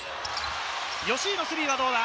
吉井のスリーはどうだ？